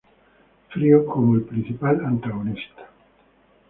Frío como el principal antagonista.